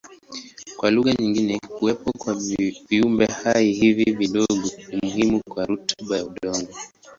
Kwa lugha nyingine kuwepo kwa viumbehai hivi vidogo ni muhimu kwa rutuba ya udongo.